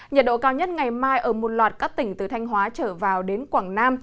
nhiệt độ cao nhất ngày mai ở một loạt các tỉnh từ thanh hóa trở vào đến quảng nam